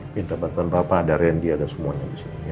minta bantuan bapak dari dia dan semuanya